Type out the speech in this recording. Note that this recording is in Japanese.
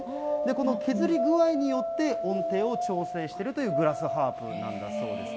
この削り具合によって、音程を調整しているというグラスハープなんだそうです。